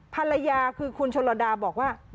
ภรรยาคือคุณชนลดาบอกว่า